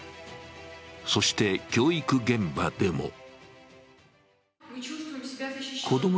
そして教育現場でも